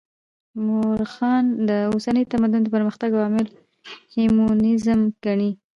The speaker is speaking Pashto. مؤرخان د اوسني تمدن د پرمختګ عوامل هیومنيزم ګڼي.